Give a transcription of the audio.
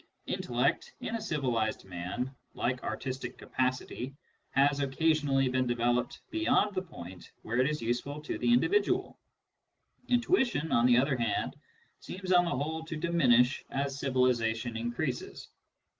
Intellect, in civilised man, like artistic capacity, has occasionally been developed beyond the point where it is useful to the individual ; intuition, on the other hand, seems on the whole to diminish as civilisa tion increases.